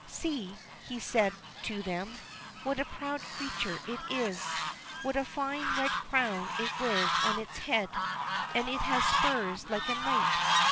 "See," said he to them, "what a proud creature it is, what a fine red crown it wears on its head, and it has spurs like a knight!